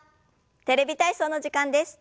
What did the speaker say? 「テレビ体操」の時間です。